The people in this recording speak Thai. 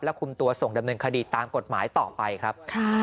คุมตัวส่งดำเนินคดีตามกฎหมายต่อไปครับ